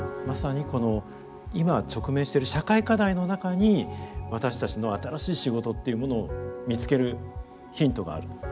まさにこの今直面してる社会課題の中に私たちの新しい仕事っていうものを見つけるヒントがある。